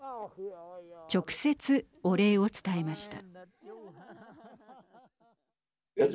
直接、お礼を伝えました。